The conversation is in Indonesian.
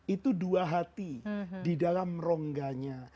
itu dua hati di dalam rongganya